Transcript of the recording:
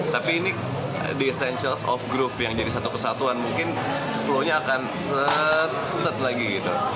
tapi ini the essentials of growth yang jadi satu kesatuan mungkin flow nya akan tetet lagi gitu